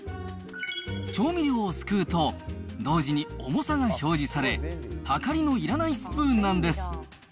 調味料をすくうと、同時に重さが表示され、はかりのいらないスプーンなんです。